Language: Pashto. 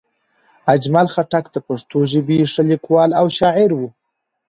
اجمل خټک د پښتو ژبې ښه لیکوال او شاعر وو